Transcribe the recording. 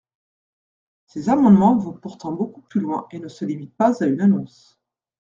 Ces amendements vont pourtant beaucoup plus loin, et ne se limitent pas à une annonce.